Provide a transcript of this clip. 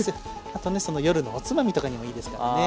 あとね夜のおつまみとかにもいいですからね。